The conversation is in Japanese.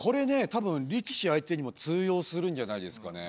多分力士相手にも通用するんじゃないですかね